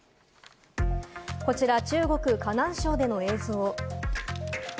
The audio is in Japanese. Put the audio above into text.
こちら中国・河南省での映像。